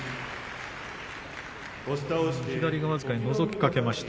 左が僅かにのぞきかけました。